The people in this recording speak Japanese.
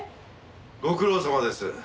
ご苦労さまです。